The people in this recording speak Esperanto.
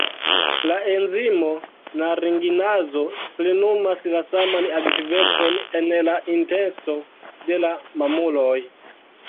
La enzimo "naringinazo" plenumas la saman aktivecon en la intesto de la mamuloj.